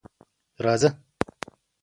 _راځه.